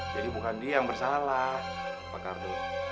jadi bukan dia yang bersalah pak ardun